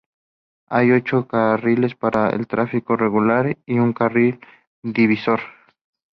Hay ocho carriles para el tráfico regular y un carril divisor.